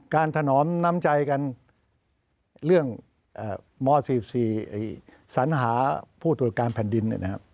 ถนอมน้ำใจกันเรื่องม๔๔สัญหาผู้ตรวจการแผ่นดิน